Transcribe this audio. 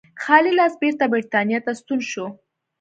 خالي لاس بېرته برېټانیا ته ستون شو.